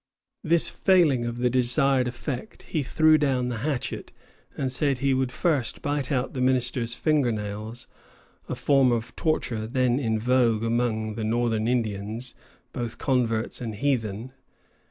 This failing of the desired effect, he threw down the hatchet and said he would first bite out the minister's finger nails, a form of torture then in vogue among the northern Indians, both converts and heathen.